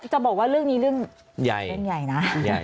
จะบอกว่าเรื่องนี้เรื่องใหญ่นะ